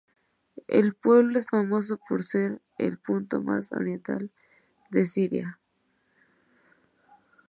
El pueblo es famoso por ser el punto más oriental de Siria.